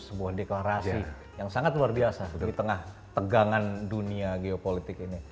sebuah deklarasi yang sangat luar biasa di tengah tegangan dunia geopolitik ini